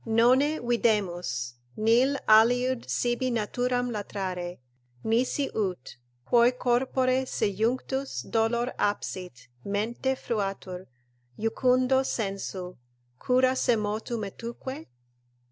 "Nonne videmus, Nil aliud sibi naturam latrare, nisi ut, quoi Corpore sejunctus dolor absit, mente fruatur, Jucundo sensu, cura semotu' metuque?"